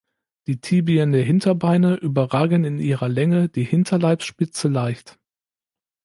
Die Tibien der Hinterbeine überragen in ihrer Länge die Hinterleibsspitze leicht.